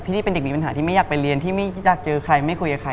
ที่เป็นเด็กมีปัญหาที่ไม่อยากไปเรียนที่ไม่อยากเจอใครไม่คุยกับใคร